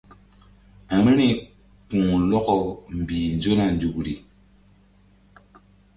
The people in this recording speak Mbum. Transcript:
Vbi̧ri ku̧lɔkɔ mbih nzona nzukri.